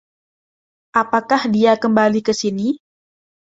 Apakah dia kembali ke sini?